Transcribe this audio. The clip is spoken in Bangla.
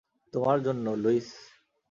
তোমার জন্য, লুইস।